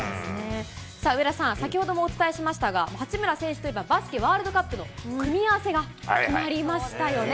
さあ、上田さん、先ほどもお伝えしましたが、八村選手といえば、バスケワールドカップの組み合わせが決まりましたよね。